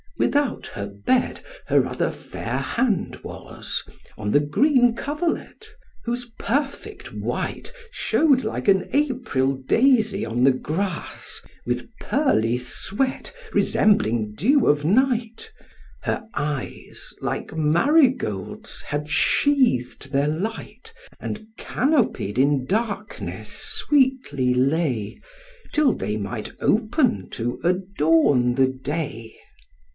Without the bed her other fair hand was, On the green coverlet; whose perfect white Show'd like an April daisy on the grass, With pearly sweat, resembling dew of night, Her eyes, like marigolds, had sheathed their light, And canopied in darkness sweetly lay, Till they might open to adorn the day.